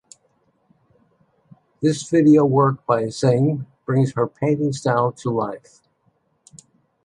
This video work by Hsiung brings her painting style to life.